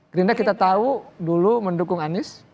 gerindra kita tahu dulu mendukung anies